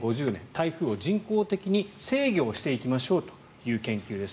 台風を人工的に制御していきましょうという研究です。